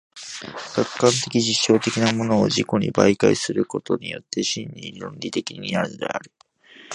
客観的実証的なものを自己に媒介することによって真に論理的になるのである。